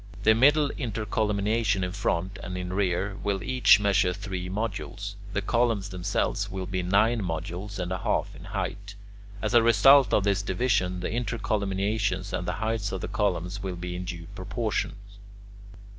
The middle intercolumniations in front and in the rear will each measure three modules. The columns themselves will be nine modules and a half in height. As a result of this division, the intercolumniations and the heights of the columns will be in due proportion.